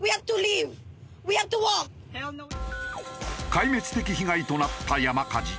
壊滅的被害となった山火事。